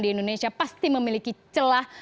di indonesia pasti memiliki celah